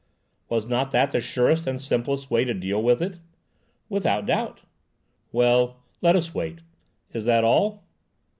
"Was not that the surest and simplest way to deal with it?" "Without doubt." "Well, let us wait. Is that all?"